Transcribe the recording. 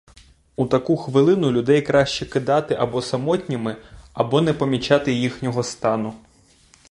У таку хвилину людей краще кидати або самотніми або не помічати їхнього стану.